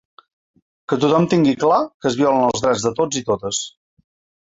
Que tothom tingui clar que es violen els drets de tots i totes.